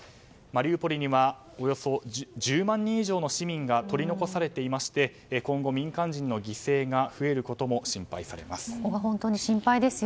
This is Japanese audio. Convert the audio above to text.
マリウポリにはおよそ１０万人以上の市民が取り残されていまして今後、民間人の犠牲が増えることも心配されます。